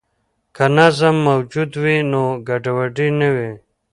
که نظم موجود وي، نو ګډوډي نه وي.